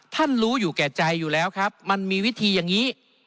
ท่านรู้อยู่แก่ใจอยู่แล้วครับมันมีวิธีอย่างนี้